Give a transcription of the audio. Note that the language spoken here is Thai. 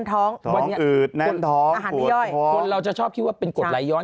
ท้องอืดแน่นท้องอาหารไม่ย่อยคุณเราจะชอบคิดว่าเป็นกฎหลายย้อน